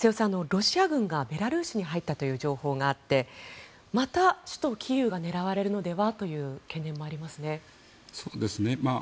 ロシア軍がベラルーシに入ったという情報があってまた首都キーウが狙われるのではという懸念もありますね。